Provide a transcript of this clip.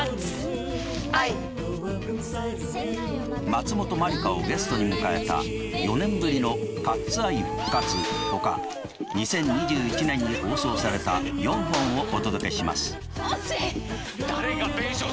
松本まりかをゲストに迎えた４年ぶりのカッツ・アイ復活ほか２０２１年に放送された４本をお届けします。